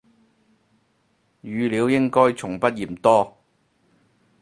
語料應該從不嫌多